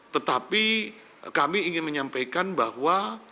tetapi kami ingin menyampaikan bahwa